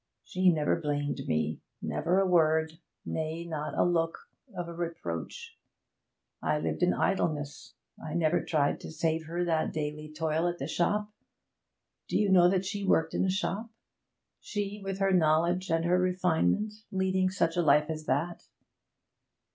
She never blamed me; never a word nay, not a look of a reproach. I lived in idleness. I never tried to save her that daily toil at the shop. Do you know that she worked in a shop? She, with her knowledge and her refinement leading such a life as that!